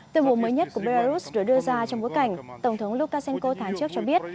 từ vụ mới nhất của belarus được đưa ra trong bối cảnh tổng thống lukashenko tháng trước cho biết